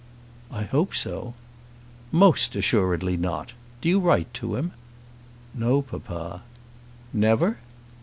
"I hope so." "Most assuredly not. Do you write to him?" "No, papa." "Never?"